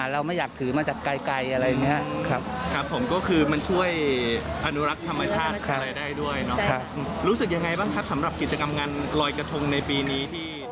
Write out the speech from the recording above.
รู้สึกยังไงบ้างสำหรับกิจกรรมงานลอยกระทงในปีนี้